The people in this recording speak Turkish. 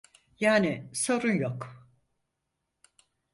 Yani sorun yok.